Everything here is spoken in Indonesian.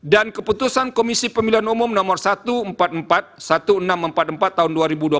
dan keputusan komisi pemilihan umum nomor satu ratus empat puluh empat seribu enam ratus empat puluh empat tahun dua ribu dua puluh tiga